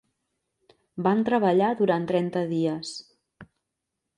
Van treballar durant trenta dies.